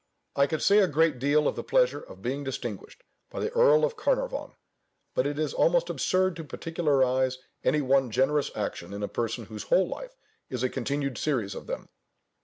I could say a great deal of the pleasure of being distinguished by the Earl of Carnarvon; but it is almost absurd to particularize any one generous action in a person whose whole life is a continued series of them.